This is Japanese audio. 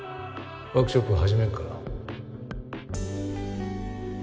ワークショップ始めっから。